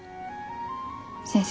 先生